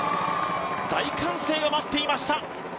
大歓声が待っていました。